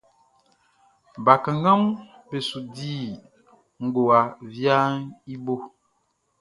Bakannganʼm be su di ngowa viaʼn i bo.